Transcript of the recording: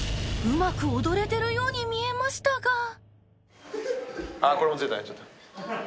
［うまく踊れてるように見えましたが］